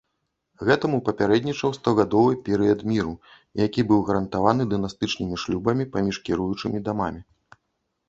Гэтаму папярэднічаў стагадовы перыяд міру, які быў гарантаваны дынастычнымі шлюбамі паміж кіруючымі дамамі.